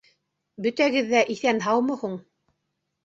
Бөтәгеҙ ҙә иҫән-һаумы һуң?